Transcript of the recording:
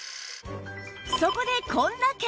そこでこんな検証